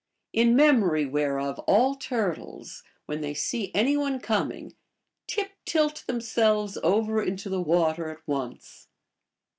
In memory whereof all turtles, when they see any one coining, tip tilt themselves over into the water at once.